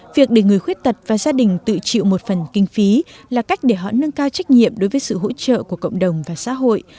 việc để người khuyết tật và gia đình tự chịu một phần kinh phí là cách để họ nâng cao trách nhiệm đối với sự hỗ trợ của cộng đồng và xã hội